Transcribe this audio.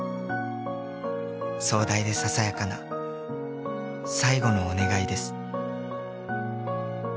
「壮大でささやかな最後のお願いです」